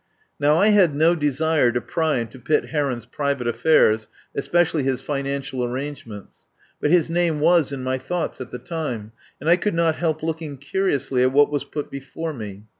Now I had no desire to pry into Pitt Heron's private affairs, especially his financial ar rangements, but his name was in my thoughts at the time, and I could not help looking curiously at what was put before me.